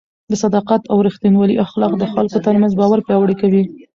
د صداقت او رښتینولۍ اخلاق د خلکو ترمنځ باور پیاوړی کوي.